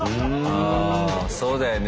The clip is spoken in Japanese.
あそうだよね。